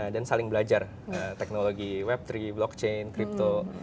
dan saling belajar teknologi web tiga blockchain crypto